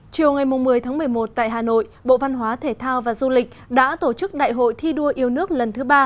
chiều ngày một mươi tháng một mươi một tại hà nội bộ văn hóa thể thao và du lịch đã tổ chức đại hội thi đua yêu nước lần thứ ba